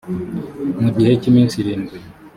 mu gihe cy iminsi irindwi